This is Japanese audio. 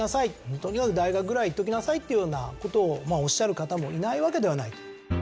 とにかく大学ぐらい行っておきなさいっていうような事をおっしゃる方もいないわけではないと。